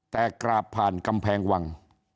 แต่กราบผ่านกำแพงวัง